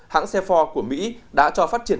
hãng xe ford của mỹ đã cho phát triển